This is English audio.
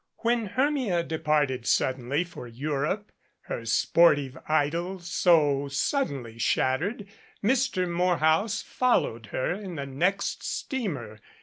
When Hermia departed suddenly for Europe, her sportive idyl so suddenly shattered, Mr. Morehouse fol lowed her in the next steamer.